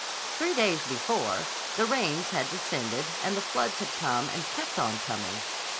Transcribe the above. Three days before, the rains had descended and the floods had come and kept on coming.